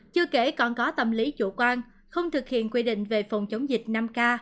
chưa kể còn có tâm lý chủ quan không thực hiện quy định về phòng chống dịch năm k